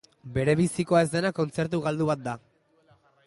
Berebizikoa ez dena kontzertu galdu bat da.